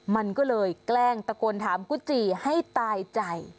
มันก็เลยแกล้งตะโกนถามกุจีให้ตายใจ